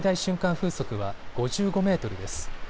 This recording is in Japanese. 風速は５５メートルです。